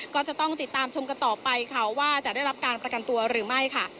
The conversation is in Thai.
ก็จะต้องติดตามชมกันต่อไปค่ะว่าจะได้รับการประกันตัวหรือไม่ค่ะ